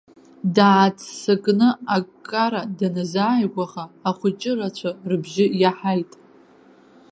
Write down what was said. Дааццакны аккара даназааигәаха, ахәыҷырацәа рыбжьы иаҳаит.